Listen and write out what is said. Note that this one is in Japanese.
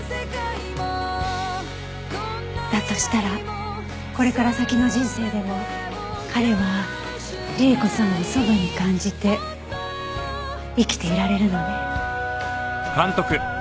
だとしたらこれから先の人生でも彼は里江子さんをそばに感じて生きていられるのね。